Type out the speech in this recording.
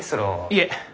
いえ。